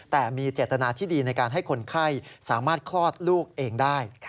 แต่มีเจตนาที่ดีในการให้คนไข้สามารถคลอดลูกเองได้